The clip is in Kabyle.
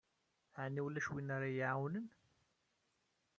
Ɛni ulac win ara yi-iɛawnen?